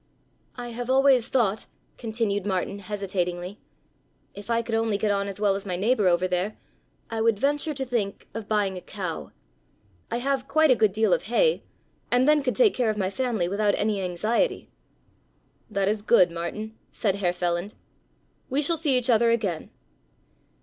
"I have always thought," continued Martin, hesitatingly, "if I could only get on as well as my neighbor over there, I would venture to think of buying a cow. I have quite a good deal of hay and then could take care of my family without any anxiety." "That is good, Martin," said Herr Feland, "we shall see each other again."